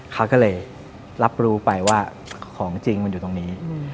เขาก็เลยรับรู้ไปว่าของจริงมันอยู่ตรงนี้